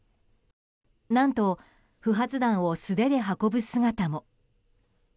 何と不発弾を素手で運ぶ姿も。